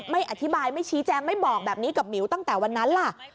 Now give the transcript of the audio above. ไม่อธิบายไม่ชี้แจงไม่บอกแบบนี้กับหมิวตั้งแต่วันนั้นล่ะ